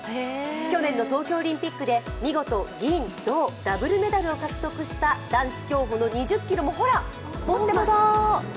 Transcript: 去年の東京オリンピックで見事銀、銅ダブルメダルを獲得した男子競歩の２０ｋｍもほら、持ってます。